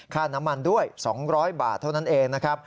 ค่าน้ำมันด้วย๒๐๐บาทเท่านั้นเองนะครับ